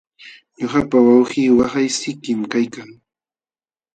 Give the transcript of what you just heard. Ñuqapa wawqii waqaysikim kaykan.